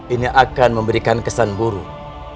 ini akan memberikan kesan buruk